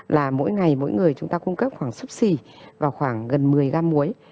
là mỗi ngày mỗi người chúng ta cung cấp khoảng xúc xì và khoảng gần một mươi gram muối